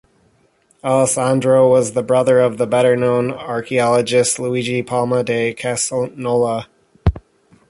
Alessandro was the brother of the better known archaeologist Luigi Palma Di Cesnola.